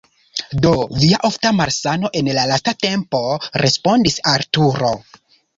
"Do Via ofta malsano en la lasta tempo!" Respondis Arturo.